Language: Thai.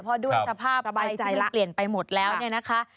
เพราะด้วยสภาพใบที่มันเปลี่ยนไปหมดแล้วเนี่ยนะคะ